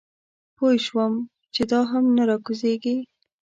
پوی شوم چې دا هم نه راکوزېږي.